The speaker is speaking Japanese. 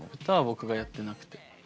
歌は僕がやってなくて。